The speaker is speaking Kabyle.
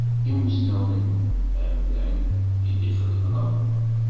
Imussnawen nnan-d d amdan i d-ixelqen Ṛebbi.